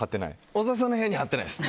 小澤さんの部屋には貼ってないです。